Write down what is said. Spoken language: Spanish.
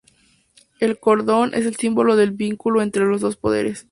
El cordón es el símbolo del vínculo entre los dos poderes.